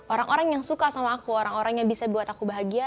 orang orang yang suka sama aku orang orang yang bisa buat aku bahagia